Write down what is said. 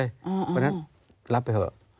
เพราะฉะนั้นรับไปเถอะ